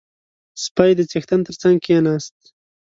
• سپی د څښتن تر څنګ کښېناست.